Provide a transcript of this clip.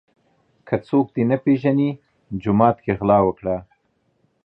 ـ که څوک دې نه پیژني جومات کې غلا وکړه.